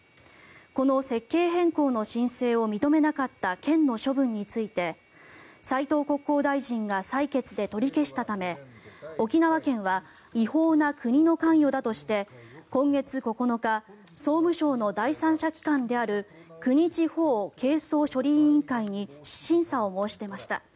この設計変更の申請を認めなかった県の処分について斉藤国交大臣が裁決で取り消したため沖縄県は違法な国の関与だとして今月９日総務省の第三者機関である国地方係争処理委員会に審査を申し出ました。